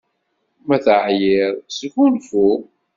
Ma teɛyiḍ, sgunfu!